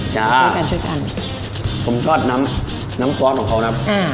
ช่วยกันช่วยกันผมทอดน้ำน้ำซอสของเขานะอ่า